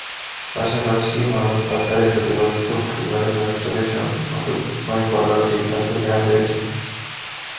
পাশাপাশি মানব পাচারে ক্ষতিগ্রস্ত পরিবারের সদস্যদের সঙ্গে মতবিনিময় করারও সিদ্ধান্ত নেওয়া হয়েছে।